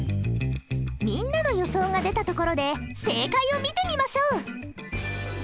みんなの予想が出たところで正解を見てみましょう。